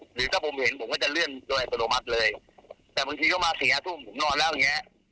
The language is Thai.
หรือถ้าผมเห็นผมก็จะเลื่อนด้วยประโนมัติเลย